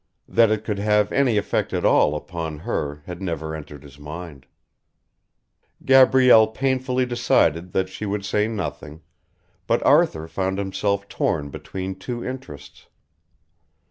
That it could have any effect at all upon her had never entered his mind. Gabrielle painfully decided that she would say nothing, but Arthur found himself torn between two interests.